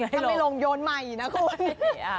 ถ้าไม่ลงโยนใหม่นะคุณ